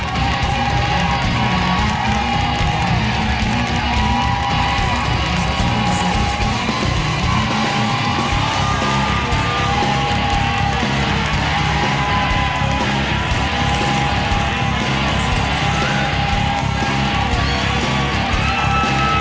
ขอบคุณครับ